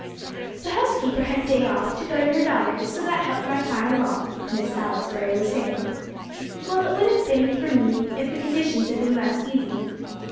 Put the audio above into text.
"The housekeeper had a day off, to go to her daughter's, so that helped my plan along," Miss Salisbury was saying. "Well would it have been for me if the conditions had been less easy.